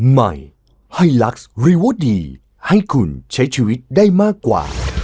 ใหม่ไฮลักษ์ริโวดีให้คุณใช้ชีวิตได้มากกว่า